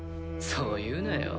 そう言うなよ。